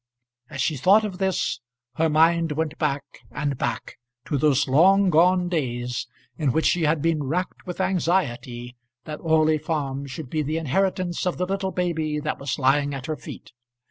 As she thought of this her mind went back, and back to those long gone days in which she had been racked with anxiety that Orley Farm should be the inheritance of the little baby that was lying at her feet.